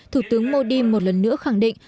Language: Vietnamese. thủ tướng modi một lần nữa khẳng định